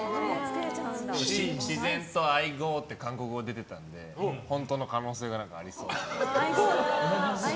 自然とアイゴーって韓国語出てたので本当の可能性がありそう。